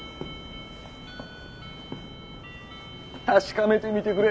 確かめてみてくれ。